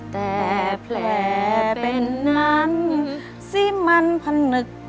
แต่แผลเป็นนั้นสิมันผนึก